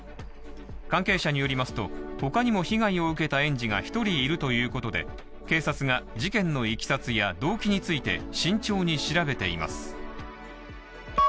関係者によりますと、他にも被害を受けた園児が１人いるということで、警察が事件のいきさつや動機について慎重に調べています。